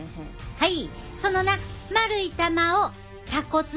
はい。